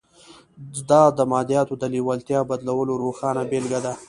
دا د مادیاتو د لېوالتیا بدلولو روښانه بېلګه ده